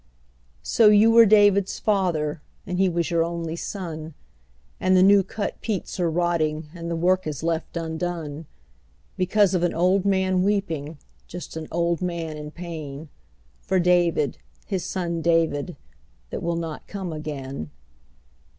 lO you were David's father, And he was your only son, And the new cut peats are rotting And the work is left undone. Because of an old man weeping, Just an old man in pain. For David, his son David, That will not come again.